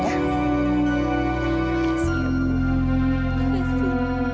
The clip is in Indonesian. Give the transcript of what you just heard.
terima kasih ibu